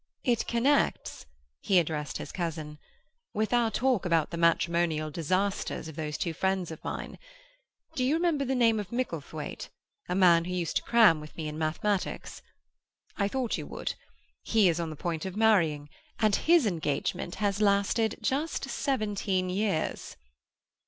It connects"—he addressed his cousin—"with our talk about the matrimonial disasters of those two friends of mine. Do you remember the name of Micklethwaite—a man who used to cram me with mathematics? I thought you would. He is on the point of marrying, and his engagement has lasted just seventeen years."